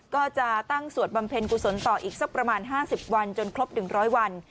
ก็จะตั้งสวดบำเพ็ญกุศลต่ออีกสักประมาณ๕๐วันจนครบ๑๐๐วัน